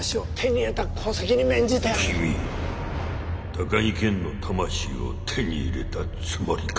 高木健の魂を手に入れたつもりか？